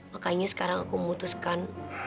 makanya sekarang aku memutuskan